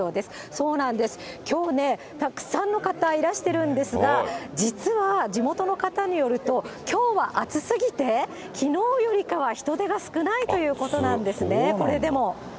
そうなんです、きょうね、たくさんの方いらしてるんですが、実は地元の方によると、きょうは暑すぎて、きのうよりかは人出が少ないということなんですね、これでも。